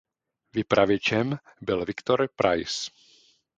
Vypravěčem byl Viktor Preiss.